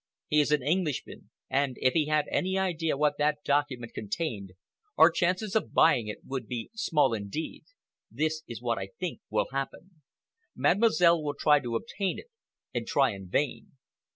He is an Englishman, and if he had any idea what that document contained, our chances of buying it would be small indeed. This is what I think will happen. Mademoiselle will try to obtain it, and try in vain.